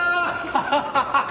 ハハハハ！